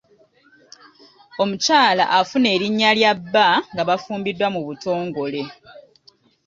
Omukyala afuna erinnya lya bba nga bafumbiddwa mu butongole.